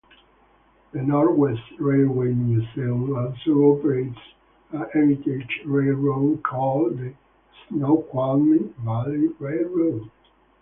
The Northwest Railway Museum also operates a heritage railroad called the Snoqualmie Valley Railroad.